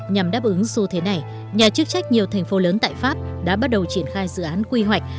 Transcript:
nhằm đáp ứng xu thế này nhà chức trách nhiều thành phố lớn tại pháp đã bắt đầu triển khai dự án quy hoạch